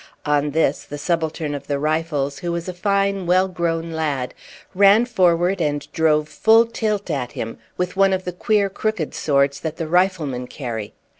On this the subaltern of the Rifles, who was a fine well grown lad, ran forward and drove full tilt at him with one of the queer crooked swords that the rifle men carry.